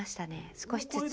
少しずつ。